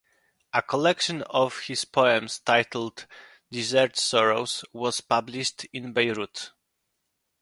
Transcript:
A collection of his poems titled "Desert Sorrows" was published in Beirut.